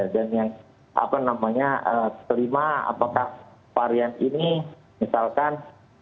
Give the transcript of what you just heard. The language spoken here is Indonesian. dan yang kelima apakah varian ini misalkan